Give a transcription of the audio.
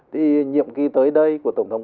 thì nhiệm kỳ tới đây của tổng thống